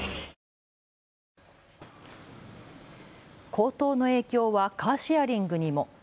高騰の影響はカーシェアリングにも。